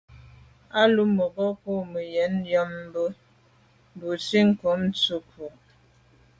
A lo mbe nkôg me yen mba busi ghom tshetku.